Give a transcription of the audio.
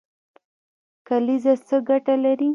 کلیزه څه ګټه لري؟